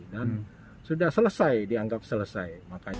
dan sudah selesai dianggap selesai